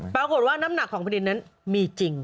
ปรากฏว่าน้ำหนักของผ่านดินนั้นมีจริง